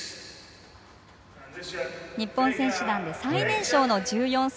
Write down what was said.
日本選手団で最年少の１４歳。